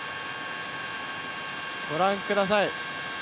ご覧ください。